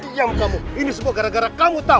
diam kamu ini semua gara gara kamu tahu